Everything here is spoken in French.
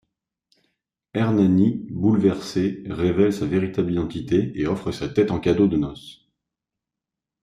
Ernani bouleversé révèle sa véritable identité et offre sa tête en cadeau de noces.